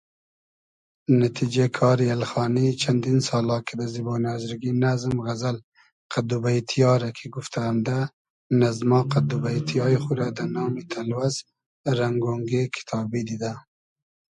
نتیجې کاری اېلخانی چئندین سالا کی دۂ زیبۉنی آزرگی نئزم، غئزئل قئد دو بݷتی یا رۂ کی گوفتۂ امدۂ، نئزما قئد دوبݷتی یای خو رۂ دۂ نامی تئلوئس رئنگ اۉنگې کیتابی دیدۂ